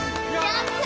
やった！